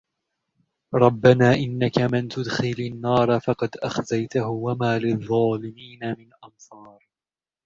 رَبَّنَا إِنَّكَ مَنْ تُدْخِلِ النَّارَ فَقَدْ أَخْزَيْتَهُ وَمَا لِلظَّالِمِينَ مِنْ أَنْصَارٍ